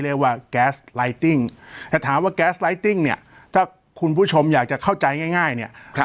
ซึ่งเนี่ยถ้าคุณผู้ชมอยากจะเข้าใจง่ายเนี่ย